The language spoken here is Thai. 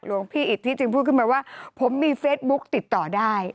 หลวงพี่อิทธิจึงพูดขึ้นมาว่าผมมีเฟซบุ๊กติดต่อได้